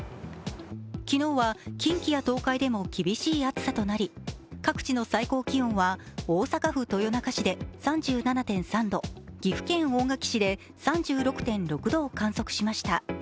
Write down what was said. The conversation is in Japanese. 昨日は近畿や東海でも厳しい暑さとなり各地の最高気温は大阪府豊中市で３７．３度岐阜県大垣市で３６．６度を観測しました。